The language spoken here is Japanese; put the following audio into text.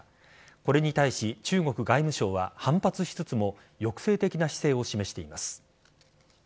これに対し中国外務省は反発しつつも抑制的な姿勢を示しています。